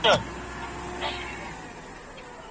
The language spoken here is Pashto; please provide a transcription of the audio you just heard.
موږ د وروسته پاته والي اصلي علتونه موندلي دي.